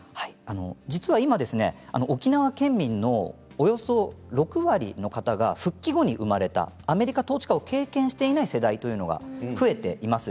実は、今、沖縄県民のおよそ６割の方が復帰後に生まれたアメリカ統治下を経験していない世代が増えています。